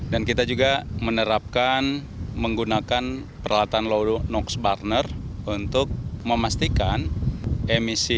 dan kita juga menerapkan menggunakan peralatan loronox burner untuk memastikan emisi